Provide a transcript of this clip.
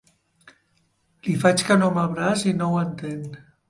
Li faig que no amb el braç i no ho entén.